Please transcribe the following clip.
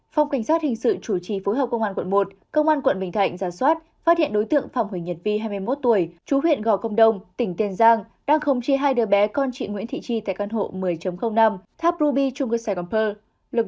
phòng cảnh sát hình sự chủ trì phối hợp công an quận một công an quận bình thạnh ra soát phát hiện đối tượng phòng huyền nhật vi hai mươi một tuổi chú huyện gò công đông tỉnh tiền giang đang khống chế hai đứa bé con chị nguyễn thị tri tại căn hộ một mươi năm tháp ruby trung cư xe quảng phương